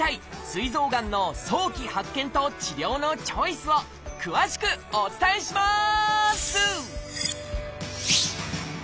すい臓がんの早期発見と治療のチョイスを詳しくお伝えします！